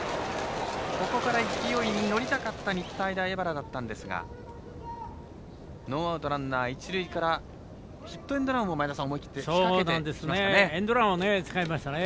そこから勢いにのりたかった日体大荏原だったんですがノーアウトランナー、一塁からヒットエンドランを思い切って仕掛けましたね。